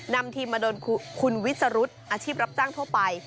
นำทีมมาโดนคุณวิสรุธอาชีพรับจ้างทั่วไป